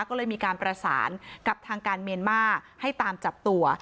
ก็เลยมีการประสานกับทางการเมียนมาร์ให้ตามจับตัว